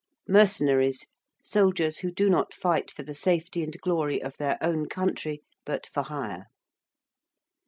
~mercenaries~: soldiers who do not fight for the safety and glory of their own country, but for hire.